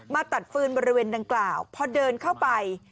ตัดฟืนบริเวณดังกล่าวพอเดินเข้าไป